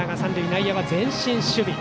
内野は前進守備。